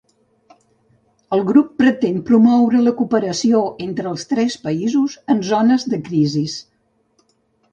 El grup pretén promoure la cooperació entre els tres països en zones de crisis.